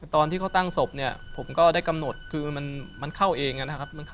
ตอนที่เขาตั้งศพเนี่ยผมก็ได้กำหนดคือมันเข้าเองนะครับ